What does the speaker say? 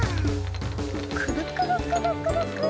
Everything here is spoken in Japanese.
くるくるくるくるくる。